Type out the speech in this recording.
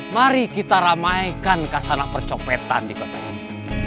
mari kita ramaikan kasana percopetan di kotak ini